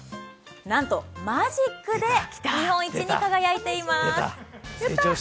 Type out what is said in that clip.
なんとマジックで日本一に輝いています。